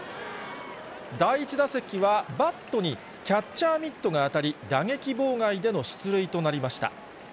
第１打席はバットにキャッチャーミットが当たり、打撃妨害での出塁となりました。